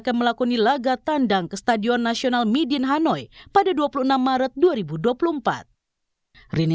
jangan lupa berikan komentar dan subscribe channel ini